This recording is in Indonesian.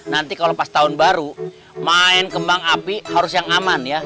nanti kalau pas tahun baru main kembang api harus yang aman ya